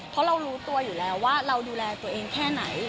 เพราะเรารู้ตัวอยู่แล้วว่าเราดูแลตัวเองแค่ไหน